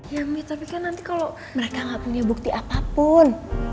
ya mi tapi kan nanti kalau mereka nggak punya bukti apapun